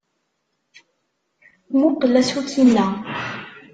Mmuqqel aṣuk-inna.